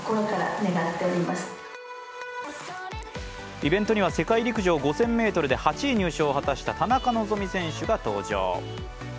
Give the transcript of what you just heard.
イベントには、世界陸上５０００ｍで８位入賞を果たした田中希実選手が登場。